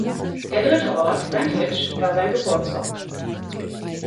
Der dritte Ort, Wantage, war sein Geburtsort.